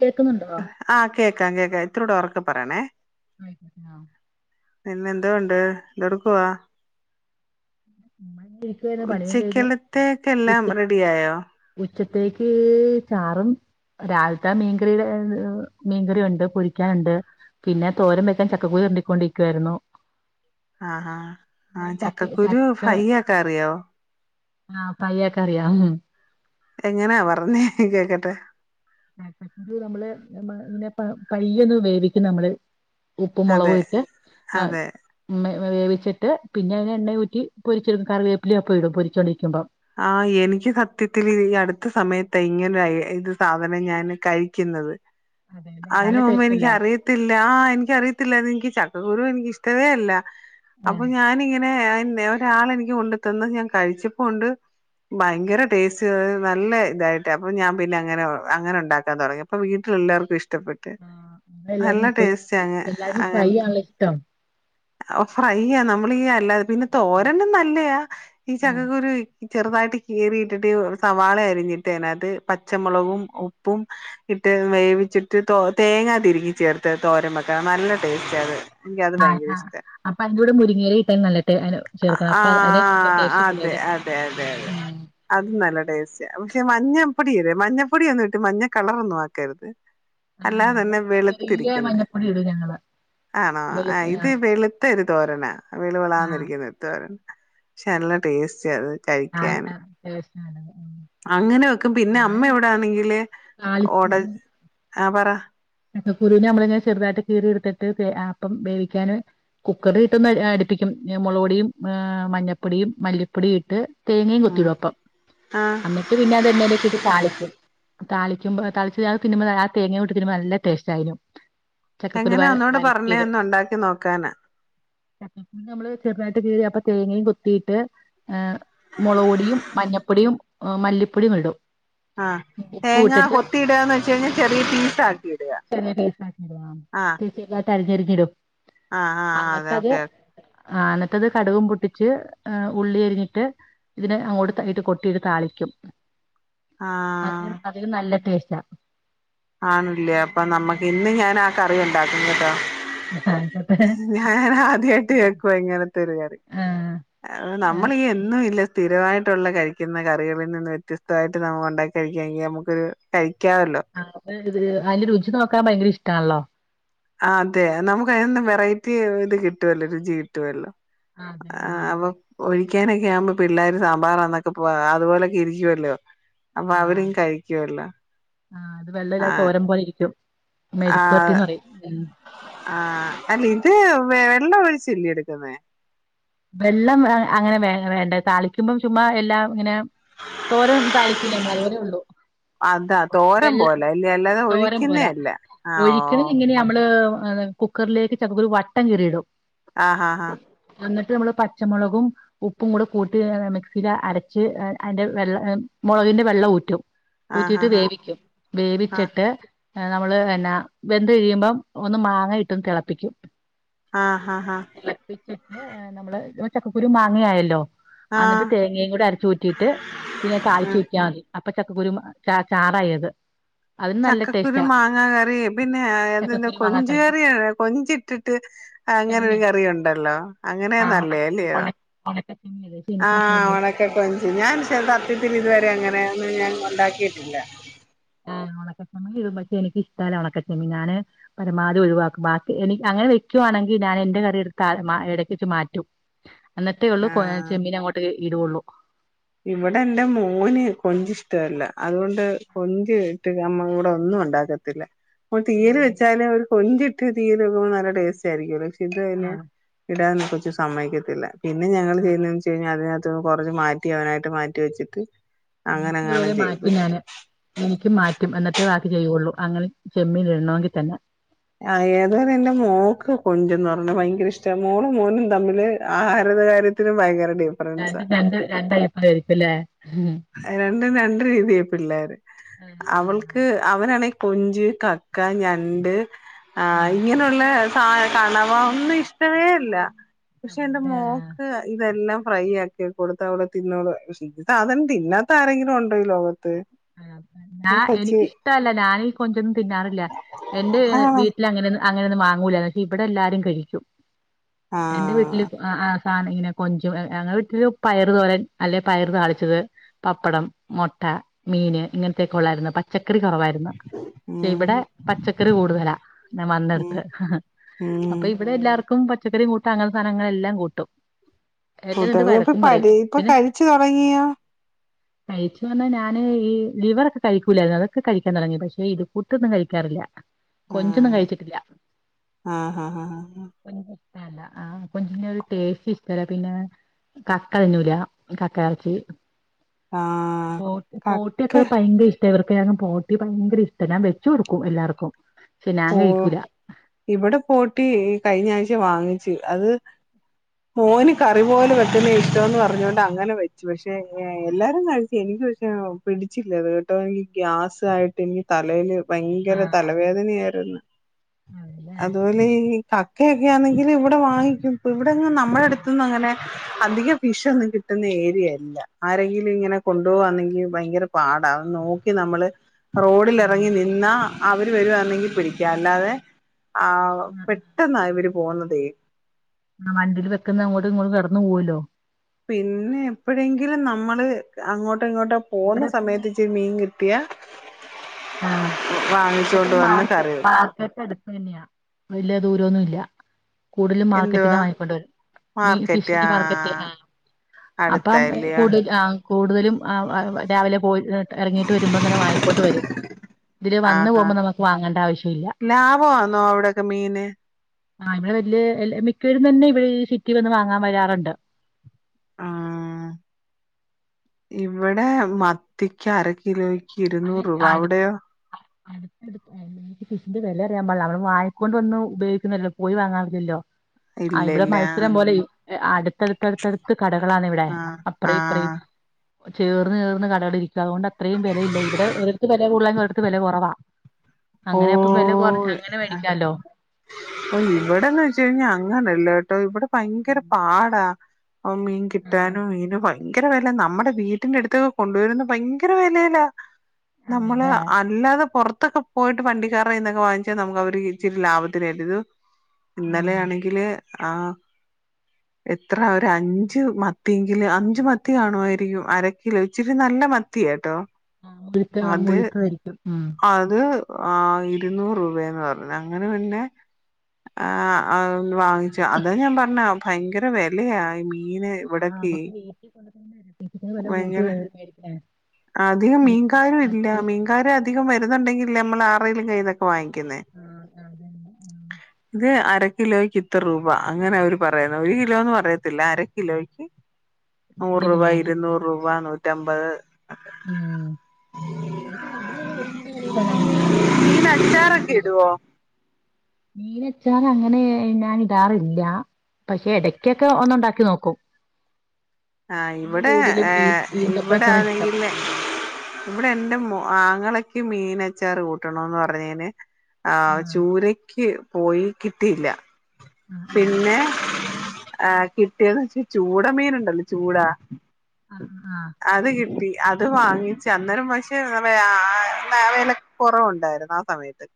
കേക്കുന്നുണ്ടോ- ആഹ് കേക്കാം കേക്കാം ഇത്തിരി കൂടെ ഒറക്കെ പറയണേ- [unintelligible] ആ- പിന്നെ എന്തോണ്ട് എന്തെടുക്കവാ- നമ്മളിങ്ങനെ ഇരിക്കുവായിരുന്നു പണിയും കഴിഞ്ഞ് ഉച്ചക്കലുത്തേക്ക് എല്ലാം ഉച്ച റെഡിയായോ- ഉച്ചത്തേക്ക് ചാറും രാവിലത്തെ മീൻകറിയുടെ മീൻകറിയുണ്ട് പൊരിക്കാനുണ്ട് പിന്നെ തോരം വെക്കാൻ ചക്കക്കുരു ചൊരണ്ടിക്കൊണ്ടിരിക്കുവാരുന്നു- ആഹ് ആഹ് ആഹ് ചക്ക- കുരു ഫ്രൈ ആക്കാറിയോ- ആ ഫ്രൈ ആക്കാൻ അറിയാം- എങ്ങനെയാ പറഞ്ഞേ കേക്കട്ടെ- ചക്കക്കുരു നമ്മള് ഇങ്ങനെ പ പയ്യൊന്ന് വേവിക്കും നമ്മള്- ഉപ്പും അതെ മൊളകും ഇട്ട് ആ അതെ - വേവിച്ചിട്ട് പിന്നെ അതിനെ എണ്ണ ഊറ്റി പൊരിച്ചെടുക്കും കറിവേപ്പിലേം ഒപ്പം ഇടും പൊരിച്ചു കൊണ്ടിരിക്കുമ്പോ- ആ എനിക്ക് സത്യത്തിൽ ഈ അടുത്ത സമയത്താ ഇങ്ങനെ ഇത് സാധനം ഞൻ കഴിക്കുന്നത്- അതെല്ലേ അതിന് നല്ല മുമ്പ് ടേസ്റ്റ് എനിക്ക് അല്ലേ അറിയത്തില്ല ആ എനിക്കറിയത്തില്ലെനിക്ക് ച- കുരു എനിക്ക്ഷ്ടവേ അല്ല- അപ്പൊ ഞാനിങ്ങനെ പിന്നെ ഒരാളെനിക്ക് കൊണ്ടു തന്ന് ഞാൻ കഴിച്ചപ്പോ ഒണ്ട്- ഭയങ്കര ടേസ്റ്റ് നല്ല ഇതായിട്ട് അപ്പൊ ഞാൻ പിന്നെ അങ്ങനെ അങ്ങനെ ഒണ്ടാക്കാൻ തുടങ്ങി അപ്പൊ വീട്ടില എല്ലാർക്കും ഇഷ്ട- ആ അങ്ങനെ എല്ലാരും പോയി എല്ലാരും ഫ്രൈ ആണല്ലോ ഇഷ്ടം- ഓഫർ അയ്യ നമ്മളീ അല്ലാ- പിന്നെ തോരനും നല്ലയാ ഈ ഉം ചക്കക്കുരു- ചെറുതായിട്ട് കീറിട്ടിട്ട് സവാള അരിഞ്ഞിട്ട് അതിനകത്ത് പച്ചമുളകും ഉപ്പും ഇട്ട് വേവിച്ചിട്ട് തോ തേങ്ങാ തിരികി ചേർത്ത്ത് തോരംവക്കാം നല്ല ടേസ്റ്റി അത്- എനിക്ക് അത് ആഹ് ഭയങ്കര ഇഷ് ആഹ് അപ്പൊ അതിന്റെ കൂടെ മുരിങ്ങയില ഇട്ടാൽ നല്ല ടേ അയിന് ചേർക്കണം ആ അപ്പൊ അതിന് ഇച്ചിരി ടേസ്റ്റ് അതെ കൂടുതല് അതെ അതെ അതെ ഉം അത നല്ല ടേസ്റ്റ് പക്ഷെ മഞ്ഞ [unintelligible] മഞ്ഞപ്പൊടിയല്ല മഞ്ഞപ്പൊട ഒന്നും ഇട്ട് മഞ്ഞ കളർ ഒന്നും ആക്കരുത് ആഹ് അല്ലാതെ ഞങ്ങള് തന്നെ ചെറിയ വെളുത്തിരിക്കുന്ന മഞ്ഞപ്പൊടി ഇടും ഞങ്ങള് ആണോ വെളു ആ ഇത് ഇത്തിരി ഒരു തോരൻ ആ വെളു വെളു ആഹ് ആണന്നിരിക്കുന്നത് എന്തു വാ നല്ല ടേസ്റ്റി അത് ആഹ് കഴിക്കാന് ആഹ് ടേസ്റ്റിനാണ് അങ്ങനെ വെക്കും പിന്നെ ഞാൻ അമ്മ ചുമ്മാ എവിടൊണെങ്കില് ഓടെ ആഹ പറ കുരുവിനെ നമ്മളങ്ങനെ ചെറുതായിട്ട് കീറി ഇടുത്തിട്ട് അപ്പം വേവിക്കാൻ കുക്കറി ഇട്ടൊന്ന് അടിപ്പിക്കും മുള പൊടിയും മഞ്ഞപ്പൊടിയും മല്ലിപ്പൊടും ഇട്ട് തേങ്ങയും ഉം കുത്തിടുംപ്പം ആ എന്നിട്ട് പിന്നെ എണ്ണയിൽ ഇട്ട് ഇത് താളിക്കും താളിക്കുമ്പോ താളന്ന ആ തേങ്ങ കട്ട നല്ല ടേസ്റ്റ് ആയിരിക്കും എങ്ങനാ ഒന്നോട് പറഞ്ഞേ ഒന്ന് ഉണ്ടാക്കി നോക്കാനാ ചക്കപ്പ നമ്മള് ചെറുതായിട്ട് വീഴ അപ്പ തേങ്ങയും കൊത്തിട്ട് ഏ് മുളക് പൊടിയും മഞ്ഞപ്പൊടിയും ആ മല്ലിപ്പൊടി ഇടും ആഹ് ഉപ്പും തേങ്ങ ഇട്ടിട്ട് കൊത്തിടാന്ന് വെച്ച കഴിഞ്ഞാൽ ചെറിയ പീസ ആാക്കി പൈസ തതിരഞ്ഞെറിഞ്ഞിടും ആഹ ആഹ അതെ ഓക്കെ ഓക്കെ ആ അനത്തത് കടുുകും പൊട്ടിച്ച് ഉള്ളി എരിഞ്ഞിട്ട് ഇതിനെ അങ്ങോട്ട് ഇട്ട് കൊട്ടിയിട്ട് താളിക്കും ആ അതിന് നല്ല ടേസ്റ്റ് ആ ആണില്ലേ അപ്പൊ നമ്മക്ക് ഇന്ന് ഞാൻ ആ കറിണ്ടാക്കുന്ന കേട്ടോ ഞാൻ ആദ്യമായിട്ട് കേക്കുവ ഇങ്ങനത്തെ ഒരു കാറി ആഹ് അ നമ്മളീ എന്നും ഇല്ല സ്ഥിരമായിട്ടുള്ള കഴിക്കുന്ന കറികളിൽ നിന്ന് വ്യത്യസ്തമായിട്ട് നമു ഉണ്ടാക്കി കഴിക്കാെങ്കിൽ നമുക്കൊരു കഴ കഴിക്കാവലോ ആഹ് അതിന്റെ രുചി നോക്കാൻ ഭയങ്കര ഇഷ്ടമാണല്ലോ ആ അതെ നമുക്ക് അതിനൊന്നും വെറൈറ്റി ഇത് കിട്ടുവല്ലോ രുചി കിട്ടുവല്ലോ അതെ ആ ആഹ് അപ്പൊ ഒഴി ഒഴിക്ക്ക്കാനൊക്കെ ആവുമ്പോ പിള്ളേർ സാറന്നൊക്കെ അതുപോലെൊക്കെ ഇരിക്കുവല്ലോ അപ്പൊ ആഹ അവരും കഴിക്കുവല്ലോ ആ അത് വെള്ളം ഇല്ല ആ പോലെ ഇരിക്കും മെഴുക്കുപുരട്ടി ന്ന് പറയും ഉം ആഹ അല്ല ഇത് വ എണ്ണ ഒഴിച്ചല്ലിയോ എടുക്കുന്നെ വെള്ളം അങ്ങനെ വേ വേണ്ട തളിക്കുമ്പം ചുമ്മാ എല്ലാം ഇങ്ങനെ തോരം താളിക്കൂലേ മ്മള് അതുപോലെ ഒള്ളു അതാ തോരൻ വെള്ള പോലെ അല്ലേ അല്ലാതെ തോരം ഒഴിക്കുന്നേ പോല അല്ല ആ ഓ ഒഴിക്കുന്നിങ്ങനെ നമ്മള് അതെ കുക്കറിലേക്ക് ചക്കക്കുരു വട്ടം കിറിയിടും ആ ആ ആഹ് അന്ന് ട്ട് മ്മള് പച്ചമോളകും ഉപ്പും കൂടെ കൂട്ടി മിക്സിൽ അരച്ച് അയിന്റെ വെള്ള മോളകിന്റെ വെള്ളം ഊറ്റും ആ ഹാ ഊറ്റീട്ട് ഹാ വേവിക്കും ആഹ് വേവിച്ചിട്ട് നമ്മള് എനാ വെന്ത് കഴിയുമ്പം ഒന്ന് മാങ്ങ ഇട്ടൊന്ന് തെളപ്പിക്കും ആഹ് ആഹ് ആഹ് തിളപ്പിച്ചിട്ട് [unintelligible] ചക്കക്കുരു മാങ്ങേ ആയല്ലോ അന്നിട്ട് ആഹ് തേങ്ങയ്കൂടെ അരച്ചൂറ്റീട്ട് പിന്നെ ഉം താളിച്ചൂറ്റിയാ മതി അപ്പ ചക്കക്കുരും ച ചാറായത് ചക്കക്കുരു മാങ്ങ കറി പിന്നെ എന്തെന്ത്‌ ചക്കക്കുരു കൊഞ്ച് മാങ്ങാക്കറി കറി കൊഞ്ചിട്ടിട്ട് അങ്ങനെ ഒരു ചെമ്മീൻ കറി ഉണ്ടല്ലോ അ അങ്ങനെ ആ ഉണക്ക നല്ലേല്ലിയോ ഉണക്ക ഉണക്ക ചെമ്മീൻ പക്ഷെ ആ എനിക്ക് ചെമ്മീൻ ഒണക്ക കൊഞ്ച് ഞാൻ ക്ഷേ സത്യത്തിൽ ഇത് വരെ അങ്ങനെയൊന്നും ഞാൻ ഉണ്ടാക്കിട്ടില്ല ആ ഒണക്കച്ചെമ്മീൻ ഇടും പക്ഷെ എനിക്ക് ഇഷ്ടല്ല ഒണക്കച്ചെമ്മീൻ ഞാന് പരമാവധി ഒഴിവാക്കും ബാക്കി എനി അങ്ങനെ വെക്കുവാണെങ്കിൽ ഞാൻ എന്റെ കറി എട്ത്ത് താ എടക്ക് വെച്ച് മാറ്റും എന്നിട്ടോള്ളൂ കൊ ചെമ്മീനങ്ങോട്ട് ഇടുവൊള്ളൂ ഇവടെ എന്റെ മോന് കൊഞ്ച് ഇഷ്ടവല്ല അത്കൊണ്ട് കൊഞ്ച് ഇട്ട് നമ്മള് ഇവിടെ ഒന്നും ഉണ്ടാക്കത്തില്ല പ്പോ തീയൽ വെച്ചാലോ കൊഞ്ചിട്ട് തീയല് വേക്കുമ്പം നല്ല ടേസ്റ്റ് ആയിരിക്കുല്ലേ ഇത് തന്നെ ആഹ് ഇടാൻ കൊച്ച് സമയിക്കത്തില്ല പിന്നെ ഞങ്ങള് ആഹ് ചെയ്യുന്നേന്ന് വെച്ച്ഴിഞ്ഞാ അതിനക [unintelligible] കൊറച്ച് മാ റ്റി അവനായിട്ട് മാറ്റി വെച്ചിട്ട് അങ്ങനെങ്ങാനും എനിക്കതുപോലെ ചെയ്ത് മാറ്റി ഞാന് എനിക്കും മാറ്റും എന്നിട്ട് വാ ക്കി ചെയ്യോള്ളൂ അങ്ങനെ ചെമ്മീൻ ഇടണോങ്കി തന്നെ ആ ഏതായാലും എന്റെ മോക്ക് കൊഞ്ചെന്ന്റ്ഞ്ഞ ഭയങ്കര ഇഷ്ട മോളും മോനും തമ്മില് ആഹാരത്തെ കാര്യത്തിലും ഭയങ്കര ഡിഫറൻസാ രണ്ടും രണ്ട് രണ്ട് ടൈപ്പായിരിക്കുല്ലേ ഉം ണ്ടും രണ്ട് രീതിയ് പിള്ളേർ അവൾക്ക് അവനാണെ കൊഞ്ച് കക്ക ഞണ്ട് ആ ആഹ് ആഹ് ഇങ്ങനൊള്ളെ ഹായ് കാണവ ഒന്നു ഇഷ്ടമേ അല്ല പക്ഷെ എന്റെ അതെ മോക്ക് ഇതെല്ലാം ഫ്രൈ ആക്കി കൊടുത്ത അവള് തിന്നോളും [unintelligible] തിന്നാത്ത ആരെങ്കിലും ഉണ്ടോ ഈ ലോകത്ത് ആ കൊച്ച് എനിക്കിഷ്ടല്ല ഞാനീ കൊഞ്ചൊന്നും തിന്നാറില്ല എന്റെ ആണോ വീട്ടിൽ അങ്ങനെന്നു അ അങ്ങനെന്നും മാങ്ങൂല ന്നട്ട് ഇബടെ ല്ലാരും കഴിക്കും എന്റെ വീട്ടില് ആഹ് അ ആ സാനം ഇങ്ങനെ കൊഞ്ചും അ് ഞങ്ങളെ വീട്ടില് പയറ് തോരൻ അല്ലെ പയറ് താളിച്ചത് പപ്പടം മൊട്ട മീൻ ഇങ്ങനത്തെക്കൊള്ളായിരുന്നു പച്ച ക്കറി കൊവായിരുന്നു പക്ഷെ ഉം ഇവടെ പച്ചക്കറി കൂടുതലാ ഞാൻ ഉം വന്നെട്ത്ത് ഉം അപ്പൊ ഇവടെ എല്ലാർക്കും പ ചച്ചക്കറി കൂട്ടാ അങ്ങൻത്ത സാധനങ്ങളെല്ലാം കൂട്ടും എന്റെ കൂട്ട എന്നിട്ട് [unintelligible] വഴക്കും പറയും പടി ഇപ്പൊ പിന്നെ കഴിച്ചു തൊടങ്ങിയോ കഴിച്ചു ങ്ങനെ ഞ ന് ഈ ലിവറൊക്കെ കഴിക്കൂലായിരുന്നു അതൊക്കെ കഴിക്കാൻ തുടങ്ങി പക്ഷെ ഇത് കൂട്ടൊന്നും കഴിക്കാറില്ല ആ കൊഞ്ചൊന്നും കഴിച്ചിട്ടില്ല അ അ അ ആ ഇല്ല ല്ല ആ കൊഞ്ചിൻ്റൊരു ടേസ്റ്റ് ഷ്ടല്ല പിന്നെ കക്ക തിഞ്ഞൂല കക്ക എറച്ചി ആ പോട്ട്യൊക്കെ പയങ്കര ഇഷ് ചെവർക്ക അങ്ങ് പോട്ടി ഭയങ്കര ഇഷ്ട ഞാ വെച്ചൊട്ക്കും എല്ലാർക്കും പക്ഷെ ഞാൻ ഓ കഴിക്കൂല ഇവടെ പോട്ടി കഴിഞ്ഞാഴ്ച വാങ്ങിച്ചു അത് മോന് കറി പോലെ വെക്കുന്ന ഇഷ്ടോംന്ന് പറഞ്ഞൊണ്ട് അങ്ങനെ വെച്ചു പക്ഷെ ഏ എല്ലാരും കഴിച്ചു എനിക്ക് പക്ഷെ പിടിച്ചില്ലത് കേട്ടോ എനിക്ക് ഗ്യാസ് ആയിട്ട് എനിക്ക് തലേല് ഭയങ്കര ആഹ് തലവേദനയാ അതെല്ലേ അതുപോലെ ഈ ക ക്കെ ക്കെ ആന്നെങ്കിൽ ഇവിടെ വാങ്ങിക്കും ഇവടെങ്ങും ഉം നമ്മളെട്ത്ത്ന്നങ്ങനെ അധികം വിഷൊന്നും കിട്ടുന്ന ഏരിയല്ല ആരെങ്കിലും ഇങ്ങനെ കൊണ്ടോവാന്നെങ്കിലും ഭയങ്കര പാടാ നോക്കി നമ്മള് ഉം റോഡിലെറങ്ങി നിന്ന അവർ വരുവാന്നെങ്കി പിടിക്ക അല്ലാതെ ആ ഉം ഉം. പെട്ടെന്നായി വരും പോന്ന തേ ആ വണ്ടിൽ വെക്കുന്ന അങ്ങോട്ട് ഇങ്ങോട്ടും കെടന്നു പൂവൊല്ലോ പിന്നെ എപ്പോഴങ്കിലും നമ്മള് അങ്ങോ ട്ടോ ഇങ്ങോട്ടോ പോവ്ന്ന ഇവിടെ പിന്നെ സമയത്ത് ഇച്ചിരി മീൻ കിട്ട ട്ടിയാ ആഹ് അവിടെ പിന്നെ വന്ന് മാർക്ക് കറി വെക്കും മാർക്കറ്റ് അടുത്ത് തന്നെയാ വലിയ ദൂരൊന്നുല്ല കൂടലും മാർക്കറ്റ്ന്നാ എന്തുവാ വാങ്ങിക്കൊണ്ട് വര മീ മാർക്കറ്റ് ആ ഫിഷിൻ്റെ മാർക്കറ്റ് ആ അപ്പം അടുത്തല്ലയോ കൂടുതൽ ആ കൂടുതലും അ രാവിലെ പോയി [unintelligible] എറങ്ങിട്ട് വരുമ്പം തന്നെ വായിക്കൊണ്ട് വരും ഇതില് വന്ന് ആഹാ പോകുമ്പോ നമുക്ക് വാങ്ങേണ്ട ആവശ്യമില്ല ലാഭ വാന്നോ അവിടെക്കെ മീന് ആ ഇവിടെ വല്ല്യ മിക്കവരും തന്നെ ഇവിടെ ഈ സിറ്റി വന്ന് വാങ്ങാൻ വരാറ്ണ്ട് ആ ഇവിടെ മത്തിക്ക അര കിലോയ് [unintelligible] അട് അടുത്തടുത്താല്ലേ [unintelligible] ഫിഷിന്റെ വെല അറിയാൻ പാടില്ല നമ്മള് വാങ്ങിക്കൊണ്ട് വന്ന് ഉപയോഗിക്കുന്നല്ലോ പോയി വാങ്ങാറില്ലല്ലോ ആ ഇല്ല ഇവിടെ ഇല്ല മത്സരം പോലെ അടുത്തടുത്തടുത്തടുത്ത് കടകളാണ് ഇവിടെ ആഹ് അപ്പറ ഇപറയും ആഹ് ചേർന്ന് ചേർന്ന് കടഅള് ഇരിക്ക അതുകൊണ്ട് അത്രയും വെലയില്ല ഇ ഇവിടെ ഒരട്ത്ത് വെല കൂടലായെ [unintelligible] ഒരടുത്ത് വെല കൊറവാ ഓ അ ഇവിടെന്ന് വെച്ച് കഴിഞ്ഞാ അങ്ങനല്ലേട്ടോ ഇവിടെ ഭയങ്കര ഉം. പാടാ ഓ മീൻ ആ, കിട്ടാനും മീന് ഭൈ ങ്കര വെല നമ്മടെ വീട്ടിന്റെ അട്ത്തൊ കൊണ്ടുവരുന്ന ഭയങ്കര വെലേലാ നമ്മള് അതെല്ലേ അല്ലാതെ പൊറ [unintelligible] പോയിട്ട് വണ്ടിക്കാറ കൈന്നൊക്കെ വാങ്ങിച്ചാ നമുക്ക് അവർ ഇച്ചിരി ലാഭത്തിലരുതു ഉം. ഇന്നലെയാണെങ്കില് ആഹ് എത്ര ഒരു അഞ്ച് മത്തിയെങ്കില് അഞ്ച് മത്തി കാണുമായിരിക്കും അരക്കിലോ ഇച്ചിരി നല്ല മത്തിയ ട്ടോ ആ ഒഴുക്കല് അങ്ങ് [unintelligible] യിരിക്കും ഉം അത് ആ ഇരുന്നൂറ് രൂപേന്ന് പറഞ്ഞു അങ്ങനെ പിന്നെ [unintelligible] വാങ്ങിച്ചു അതാ ഞാൻ പറഞ്ഞ ഭയങ്കര വെലയാ ഈ മീ ഈന ഇവിടക്കെ എല്ലാരും വയങ്കര അധികം മീൻകാരും ഇല്ല മറ്റേ മീൻകാരും അധികം വര [unintelligible] ഒണ്ടെങ്കിൽ നമ്മൾ ആരെലും കയ്യിന്നോക്കെ വാങ്ങി ആഹ് അതന്ന ആ ഇത് അര കിലോയ്ക്ക് ഇത്ര റൂപ അങ്ങന അവര് പറയുന്ന ഒരു കിലോന്ന് പറയത്തില്ല അര കിലോയ്ക്ക് എരിവാന്ന നൂറ് റൂപ നൂറ്റമ്പത്. ഉം മീൻ അച്ചാറൊക്കെ [unintelligible] ഇടുവോ മീനച്ചാറ് അങ്ങനെ ഞാനിടാറില്ല. പക്ഷെ ഇടക്കൊക്കെ ഒന്നുണ്ടാക്കി നോക്കും. ആഹ് എനിക്ക് ഇവിടെ കൂടുതലും ഈ ഈന്തപ്പഴ ഇവിടെ അച്ചാറാ ഇഷ്ടം അണെങ്കില് ഇവിടെ എന്റെ മോ ആങ്ങളക്ക് മീനച്ചാറ് കൂട്ടണോന്ന് പറഞ്ഞെന് ആ ആഹ് ചൂരക്ക് പോയി കിട്ടിയില്ല. ആ ആ പിന്നെ ആഹ് കിട്ടിയെന്ന് വെച്ച് ചൂട മീനുണ്ടല്ല് ചൂടാ. ആ ആ അത് കിട്ടി. അത് വാങ്ങിച്ച് അന്നേരം പക്ഷേ വെ ആ വെല കുറവൊണ്ടായിര്ന്ന് ആ സമയത്ത്.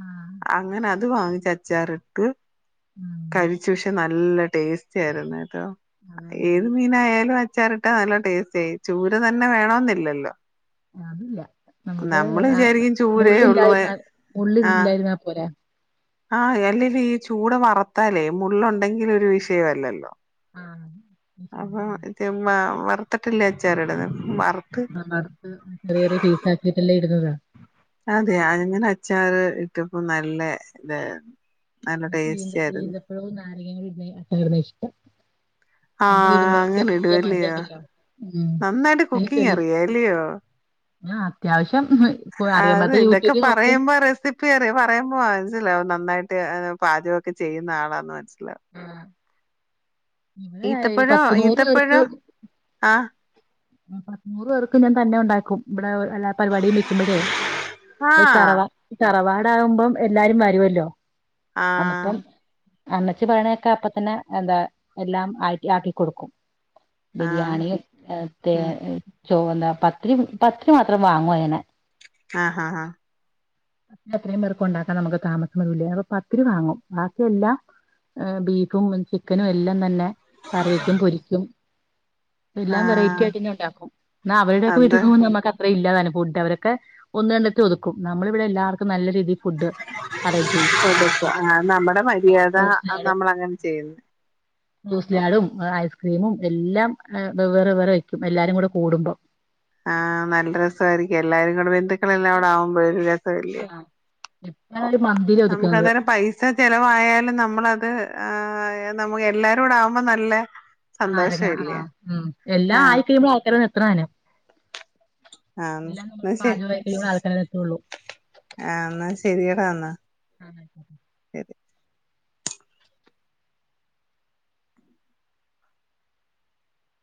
ആ അങ്ങന അ അത് വാങ്ങിച്ചച്ചാർ ഇട്ട്. ഉം കഴിച്ചു പക്ഷെ ന ല്ല ടേസ്റ്റ് ആയിരുന്നു കേ [unintelligible] അതല്ലേ ഏത് മീനായാലും അ ച്ചാറിട്ടാ നല്ല ടേസ്റ്റ് ആയി ചൂര തന്നെ വേണോന്നില്ലല്ലോ? അതില്ല. നമുക്ക് നമ്മള് ആ വിചാരിക്കും ചൂരേ ഉള്ളൂ മുള്ളില്ലായിരുന്നാൽ മുള്ളി ആഹ് ല്ലായിരുന്നാ പോരേ. ആഹ് അല്ലില് ഈ ചൂട വറുത്താലേ മുള്ളുണ്ടെങ്കില് ഒരു വിഷയ അല്ലല്ലോ? ആഹ് മ് മ് മ്ഹ് വറ്ത്തിട്ടല്ലേ അച്ചാറിടന്നെ വറ് ആഹ് വറുത്ത് ചെറിയ ചെറിയ പീസ ആകിട്ടല്ലേ ഇടുന്നത് അതെ അങ്ങനെ അച്ചാറ് ഇട്ടപ്പോ നല്ല ഇതായി എനിക്ക് ഈന്ത ഈന്തപ്പഴവും നാരങ്ങേമ് കുടി ഇടുന്നെ അച്ചാറ ഇഷ്ടം. അത് ആഹ് ഇടുമ്പോ അങ്ങനെ ചെറിയ മധുരം ഇടുവല്ലിയോ ഉണ്ടല്ലോ ഉം നന്നായിട്ട് അതിന് കുക്കിങ് ചെറിയ അറിയാം അല്ലിയോ ഞാൻ അത്യാവശ്യം ഇപ്പൊ അ അറിയാൻ അതെ പറ്റാത്ത ഇതൊക്കെ യൂട്യൂബിൽ നോക്കും പറയുമ്പോ റെസിപ്പി അറിയ പറയുമ്പോ അ നസ്സിലാവും നന്നായിട്ട് ആ പാചകൊക്കെ ചെയ്യുന്ന ആളാന്ന് മനസ് ല്ല ഇവിടെ ഈത്തപ്പഴോ പത്ത് നൂറ് ഈത്തപ്പഴ പേർക്ക് ആഹ് പത്ത് നൂർ പേർക്ക് ഞാൻ തന്നെ ഒണ്ടാക്കും. ഇവിടെ ഒ എല്ലാ പരിപാടിയും വക്കുമ്പഴേ ആഹ് തറവാ തറവാ ണ്ടാകുമ്പം എല്ലാരും വരുവല്ലോ ആ അമ്മച്ചി പറയണക്കെ അപ്പ തന്നെ എന്താ എല്ലാം ആക്കി ആക്കി കൊടുക്കും ആഹ് ബിരിയാണിയും ഏ ഉം [unintelligible] ചൊവന്ന പത്തിരി പത്തിരി മാത്രം വാങ്ങുവാ ചെയ്യണെ ആ ആ ആ അത്രയും പേർക്ക് ഉണ്ടാക്കാൻ നമുക്ക് താമസം വരൂല്ലേ അപ്പൊ പത്തിരി വാങ്ങും ബാക്കിയെല്ലാം ബീഫും ചിക്കനും എല്ലാം തന്നെ കറിവെയ്ക്കും പൊരിയ്ക്കും എല്ലാം വെറൈറ്റി ആഹ് ആ പിന്നെയുണ്ടാക്കും എന്നാ അവര് ടെയൊക്കെ അത് വീട്ടിൽ പോകുമ്പോ നമുക്ക് അത്ര ഇല്ലാതാനും ഫുഡ് അവരൊക്കെ ഒന്നു രണ്ടെണ്ണത്തി ഒതുക്കും നമ്മള് ഇവിടെ എല്ലാവർക്കും നല്ല രീതി കൊടുക്കും ആ നമ്മുടെ മര്യാദ നമ്മൾ അങ്ങനെ ചെയ്യുന്നു ഫ്രൂട്ട്സ്ലാഡും ഐസ്ക്രീമും എല്ലാം വെ വെവ്വേറെ വേറെ എല്ലാരും കൂടെ കൂടുമ്പോ ആ നല്ല രസായിരിക്കും എല്ലാരും നമ്മുടെ ബന്ധുക്കളെല്ലാം കൂടെ ആവുമ്പോഴെ ഒരു രസം അല്ലേ ആഹ് [inaudible] നമുക്ക് ഒതുക്കുന്നത് അന്നേരം പൈസ ചെലവായാലും നമ്മളത് ആ നമക്ക് എല്ലാരൂടെ ആവുമ്പോ നല്ല [unintelligible] ആ സന്തോഷല്ലേ ഉം എല്ലാം ആഹ് ആയിക്കഴിയുമ്പോ [unintelligible] [unintelligible] ആഹ് എല്ലാം നമ്മൾ എന്നാ ശരി പാചകമായി കഴിയുമ്പഴേ ആൾക്കാരെല്ലാം എത്തൂള്ളു ശെരിയെടാന്നാ [inaudible] [inaudible]